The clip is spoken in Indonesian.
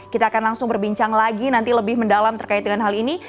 kita akan langsung berbincang lagi nanti lebih mendalam terkait dengan hal ini